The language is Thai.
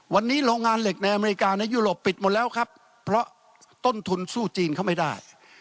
วันนี้โรงงานเหล็กในอเมริกาในยุโรปปิดหมดแล้วครับเพราะต้นทุนสู้จีนเขาไม่ได้